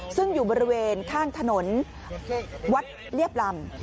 ซึ่งอยู่บริเวณข้างถนนวัดเรียบลำ